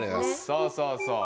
そうそうそう。